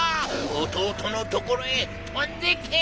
おとうとのところへとんでけ！